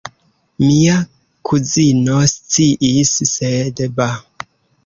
Mia kuzino sciis, sed ba!